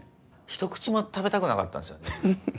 ひと口も食べたくなかったんですよね。